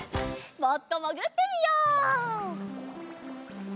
もっともぐってみよう。